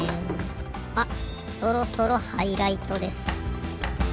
あそろそろハイライトです。